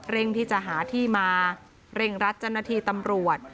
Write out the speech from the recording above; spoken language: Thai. เร่งที่จะหาที่มาเร่งรัฐจำนาทีตำรวจ